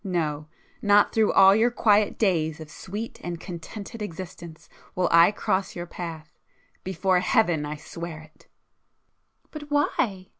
—no, not through all your quiet days of sweet and contented existence will I cross your path,—before Heaven I swear it!" "But why?"